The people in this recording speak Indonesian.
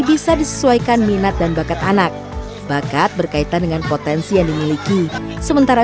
bisa disesuaikan minat dan bakat anak bakat berkaitan dengan potensi yang dimiliki sementara